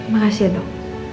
makasih ya dong